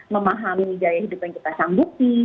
memahami nilai hidup yang kita sanggupi